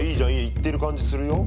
いってる感じするよ。